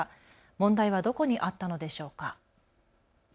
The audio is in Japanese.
問題はどこにあったのでしょうか。